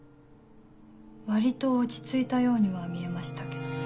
割と落ち着いたようには見えましたけど。